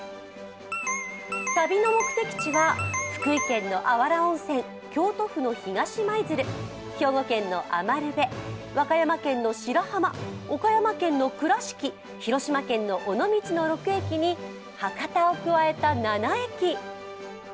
旅の目的地は福井県の芦原温泉京都府の東舞鶴、兵庫県の餘部、和歌山県の白浜岡山県の倉敷、広島県の尾道の６駅に博多を加えた７駅。